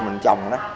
mình trồng nó